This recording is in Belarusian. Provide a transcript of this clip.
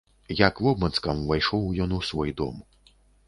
Як вобмацкам, увайшоў ён у свой дом.